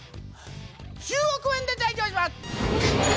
１０億円で提供します！